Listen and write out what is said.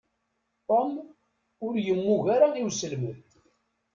Tom ur yemmug ara i uselmed.